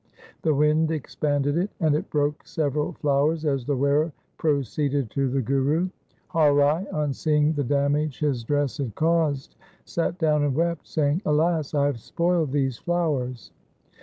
The wind expanded it, and it broke several flowers as the wearer pro ceeded to the Guru. Har Rai on seeing the damage his dress had caused sat down and wept, saying, ' Alas ! I have spoiled these flowers.'